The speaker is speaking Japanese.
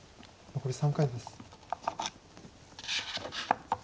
残り３回です。